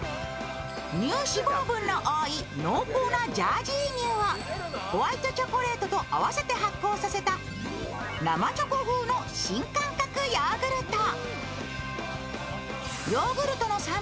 乳脂肪分の多い濃厚なジャージー乳をホワイトチョコレートと合わせて発酵させた生チョコ風の新感覚ヨーグルト。